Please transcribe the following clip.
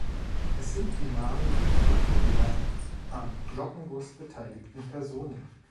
Es sind die Namen und Berufe der am Glockenguss beteiligten Personen.